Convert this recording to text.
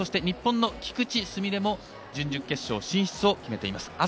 日本の菊池純礼も準々決勝進出を決めています。